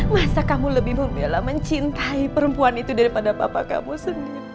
masa kamu lebih membela mencintai perempuan itu daripada bapak kamu sendiri